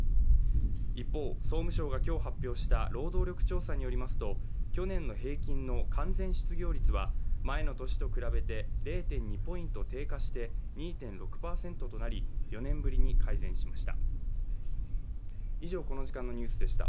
一方、総務省が今日発表した労働力調査によりますと去年の平均の完全失業率は前の年と比べて０．２ポイント低下して２．６％となり、４年ぶりに改善しました。